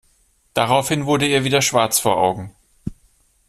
Daraufhin wurde ihr wieder schwarz vor Augen.